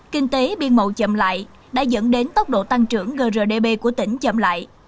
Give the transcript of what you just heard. kinh tế biên mậu chậm lại đã dẫn đến tốc độ tăng trưởng grdb của tỉnh chậm lại